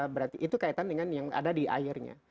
berarti itu kaitan dengan yang ada di airnya